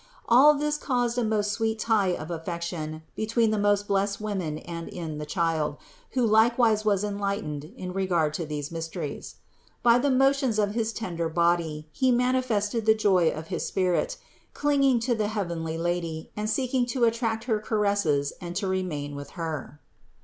All this caused a most sweet tie of affection between the most blessed women and in the child, who likewise was enlightened in regard to these mysteries. By the motions of his tender body he manifested the joy of his spirit, clinging to the heavenly Lady and seek ing to attract her caresses and to remain with Her.